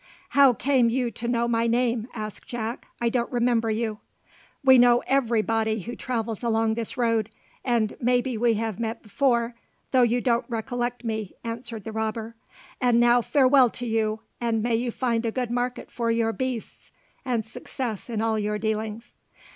"How came you to know my name?" asked Jack. "I don't remember you." "We know every body who travels along this road, and maybe we have met before, though you don't recollect me," answered the robber. "And now farewell to you, and may you find a good market for your beasts, and success in all your dealings."